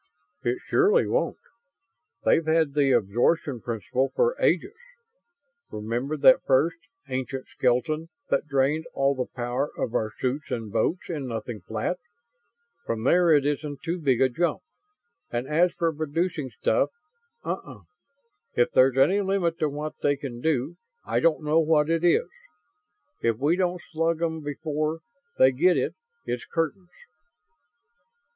"It surely won't. They've had the absorption principle for ages. Remember that first, ancient skeleton that drained all the power of our suits and boats in nothing flat? From there it isn't too big a jump. And as for producing stuff; uh uh! If there's any limit to what they can do, I don't know what it is. If we don't slug 'em before they get it, it's curtains."